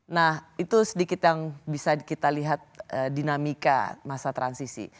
nah itu sedikit yang bisa kita lihat dinamika masa transisi